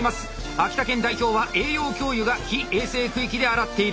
秋田県代表は栄養教諭が非衛生区域で洗っている。